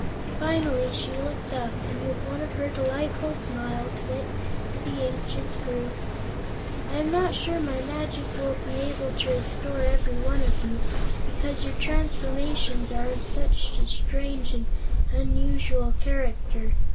Finally she looked up, and with one of her delightful smiles, said to the anxious group: "I am not sure my magic will be able to restore every one of you, because your transformations are of such a strange and unusual character.